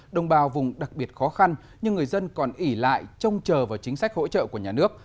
đồng bào vùng đặc biệt khó khăn nhưng người dân còn ỉ lại trông chờ vào chính sách hỗ trợ của nhà nước